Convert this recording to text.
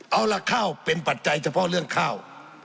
เอาล่ะข้าวเป็นปัจจัยเฉพาะเรื่องข้าว